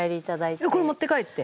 これ持って帰って？